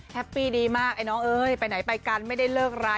ปีดีมากไอ้น้องเอ้ยไปไหนไปกันไม่ได้เลิกรา